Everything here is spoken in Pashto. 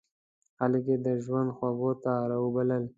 خلک یې د ژوند خوږو ته را وبلل.